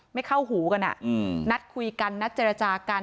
ไม่เข้าหูกันนัดคุยกันนัดเจรจากัน